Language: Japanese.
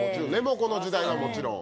この時代はもちろん。